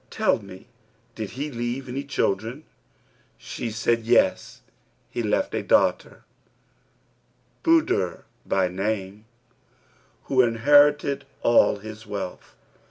Tell me did he leave any children?' Said she, 'Yes, he left a daughter, Budur by name, who inherited all his wealth?'